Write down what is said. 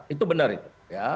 itu benar itu